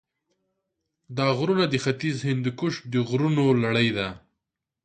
دا غرونه د ختیځ هندوکش د غرونو لړۍ ده.